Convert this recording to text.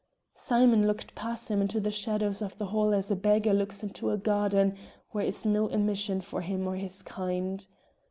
Simon looked past him into the shadows of the hall as a beggar looks into a garden where is no admission for him or his kind.